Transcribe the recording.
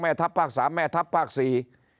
ทัพภาคสามแม่ทัพภาคสี่